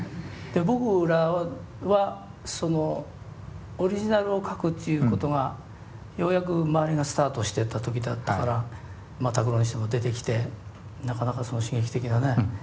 で僕らはそのオリジナルを書くっていうことがようやく周りがスタートしてった時だったからまあ拓郎にしても出てきてなかなか刺激的なね。